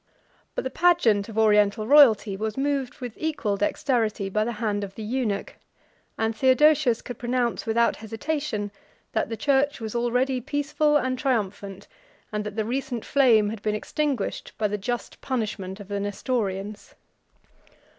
But the pageant of Oriental royalty was moved with equal dexterity by the hand of the eunuch; and Theodosius could pronounce, without hesitation, that the church was already peaceful and triumphant, and that the recent flame had been extinguished by the just punishment of the Nestorians.